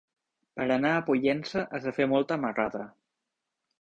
Per anar a Pollença has de fer molta marrada.